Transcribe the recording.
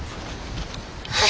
はい！